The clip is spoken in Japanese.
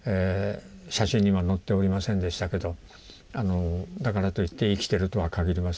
写真には載っておりませんでしたけどだからといって生きてるとは限りませんし。